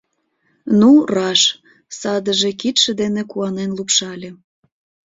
— Ну, раш, - садыже кидше дене куанен лупшале.